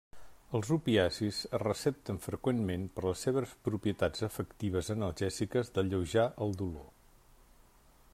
Els opiacis es recepten freqüentment per les seves propietats efectives analgèsiques d'alleujar el dolor.